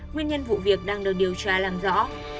nguyên nhân vụ việc đang được điều tra làm rõ